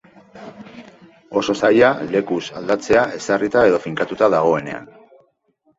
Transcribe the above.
Oso zaila lekuz aldatzea ezarrita edo finkatuta dagoenean.